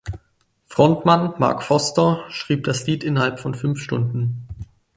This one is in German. Frontmann Mark Foster schrieb das Lied innerhalb von fünf Stunden.